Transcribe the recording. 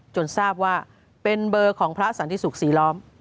ทราบว่าเป็นเบอร์ของพระสันติสุขศรีล้อม